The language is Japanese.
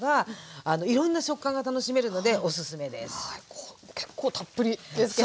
こう結構たっぷりですけれども。